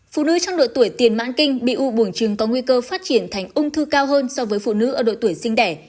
phụ nữ trong độ tuổi tiền mãn kinh bị u buồng trứng có nguy cơ phát triển thành ung thư cao hơn so với phụ nữ ở độ tuổi sinh đẻ